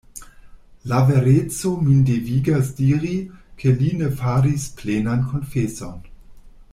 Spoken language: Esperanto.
La vereco min devigas diri, ke li ne faris plenan konfeson.